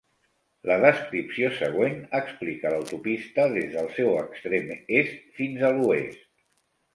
La descripció següent explica l'autopista des de el seu extrem est fins a l'oest.